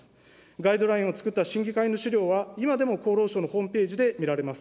ガイドラインを作った審議会の資料は、今でも厚労省のホームページで見られます。